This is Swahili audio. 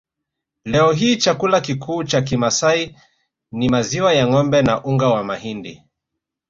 Leo hii chakula kikuu cha Kimasai ni maziwa ya ngombe na unga wa mahindi